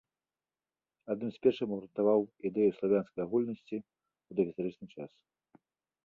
Адным з першых абгрунтаваў ідэю славянскай агульнасці ў дагістарычны час.